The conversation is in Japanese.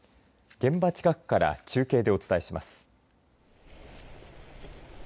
現場近くから中継でお伝えします。